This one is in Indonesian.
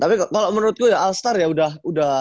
tapi kalau menurut gue ya all star ya udah